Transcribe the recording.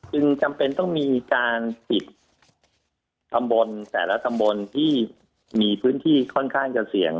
จำเป็นต้องมีการปิดตำบลแต่ละตำบลที่มีพื้นที่ค่อนข้างจะเสี่ยง